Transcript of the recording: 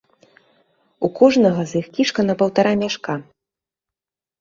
У кожнага з іх кішка на паўтара мяшка.